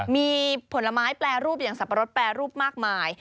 มีผลไม้แปรรูปอย่างสับปะรดแปรรูปมากมาย